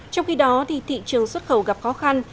trong khi đó thị trường xuất khẩu gặp khó khăn